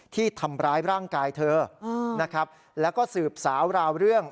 ที่ทำร้ายร่างกายเธอนะครับแล้วก็สืบสาวราวเรื่อง